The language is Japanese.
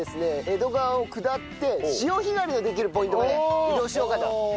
江戸川を下って潮干狩りのできるポイントまで移動しようかと思います。